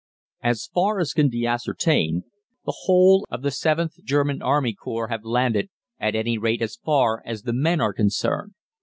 "As far as can be ascertained, the whole of the VIIth German Army Corps have landed, at any rate as far as the men are concerned.